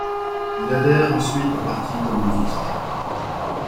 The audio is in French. Il adhère ensuite au Parti communiste.